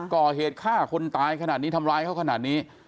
ก่อเหตุฆ่าคนตายขนาดนี้ทำร้ายเขาขนาดนี้